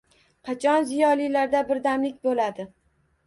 Qachon ziyolilarda birdamlik bo‘ladi?